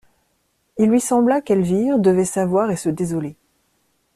Il lui sembla qu'Elvire devait savoir et se désoler.